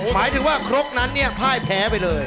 หมายถึงว่าครกนั้นเนี่ยพ่ายแพ้ไปเลย